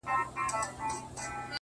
اوس په لمانځه کي دعا نه کوم ښېرا کومه _